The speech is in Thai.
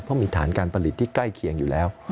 เพราะมีฐานการผลิตที่ใกล้เคียงอยู่แล้ว